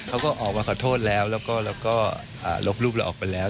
เขาก็ออกมาขอโทษแล้วแล้วก็ลบรูปเราออกไปแล้ว